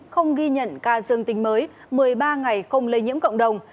không ghi nhận ca dương tính mới một mươi ba ngày không lây nhiễm cộng đồng